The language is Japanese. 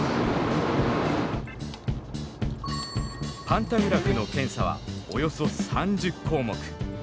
パンタグラフの検査はおよそ３０項目。